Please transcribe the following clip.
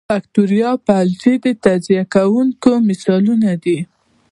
باکتریا او فنجي د تجزیه کوونکو مثالونه دي